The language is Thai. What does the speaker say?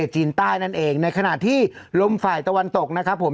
จีนใต้นั่นเองในขณะที่ลมฝ่ายตะวันตกนะครับผม